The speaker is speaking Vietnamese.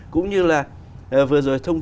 cũng như là vừa rồi thông tin